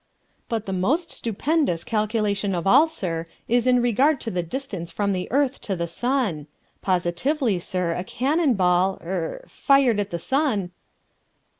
"But the most stupendous calculation of all, sir, is in regard to the distance from the earth to the sun. Positively, sir, a cannon ball er fired at the sun...."